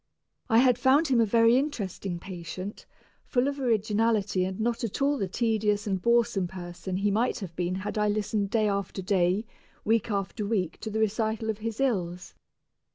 I had found him a very interesting patient, full of originality and not at all the tedious and boresome person he might have been had I listened day after day, week after week to the recital of his ills.